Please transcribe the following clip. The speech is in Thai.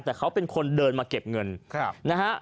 แต่เขาเป็นคนเดินมาเก็บเงินนะฮะ